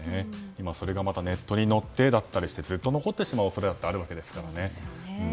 今、それがネットに載ってだったりしてずっと残ってしまう恐れだってあるわけですからね。